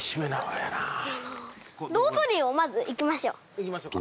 行きましょうか。